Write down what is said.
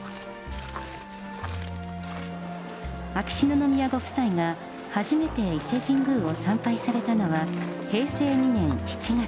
秋篠宮ご夫妻が初めて伊勢神宮を参拝されたのは、平成２年７月。